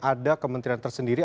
ada kementerian tersendiri